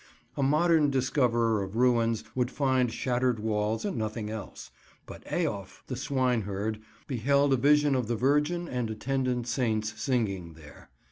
A modern discoverer of ruins would find shattered walls and nothing else, but Eof, the swineherd, beheld a vision of the Virgin and attendant saints singing there.